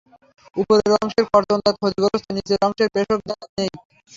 উপরের অংশের কর্তন দাঁত ক্ষতিগ্রস্থ, নিচের অংশের পেষক দাঁত নেই।